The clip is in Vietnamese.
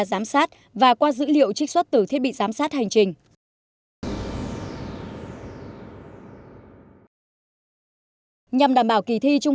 giám sát và qua dữ liệu trích xuất từ thiết bị giám sát hành trình nhằm đảm bảo kỳ thi trung